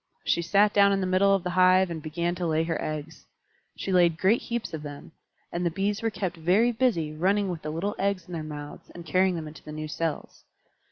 She sat down in the middle of the hive and began to lay her eggs. She laid great heaps of them, and the Bees were kept very busy running with the little eggs in their mouths and carrying them into the new cells.